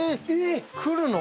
来るの？